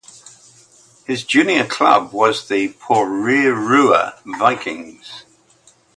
His junior club was the Porirua Vikings.